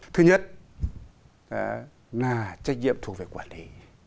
thứ nhất là trách nhiệm thuộc về quản lý